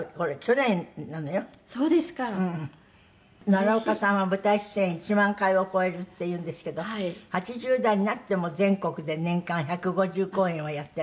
奈良岡さんは舞台出演１万回を超えるっていうんですけど８０代になっても全国で年間１５０公演をやってらして。